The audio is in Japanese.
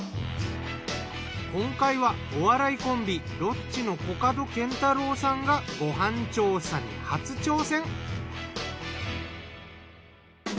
今回はお笑いコンビロッチのコカドケンタロウさんがご飯調査に初挑戦。